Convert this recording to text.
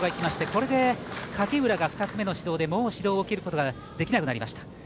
これで影浦が２つ目の指導でもう指導を受けることはできなくなりました。